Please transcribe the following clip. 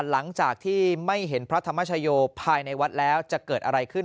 หลังจากที่ไม่เห็นพระธรรมชโยภายในวัดแล้วจะเกิดอะไรขึ้น